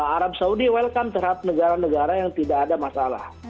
arab saudi welcome terhadap negara negara yang tidak ada masalah